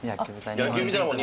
野球みたいなもん？